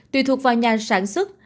tùy thuộc vào nhà sản xuất